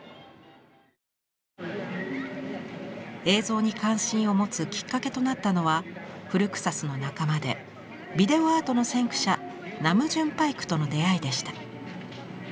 映像に関心を持つきっかけとなったのは「フルクサス」の仲間でビデオアートの先駆者ナムジュン・パイクとの出会いでした。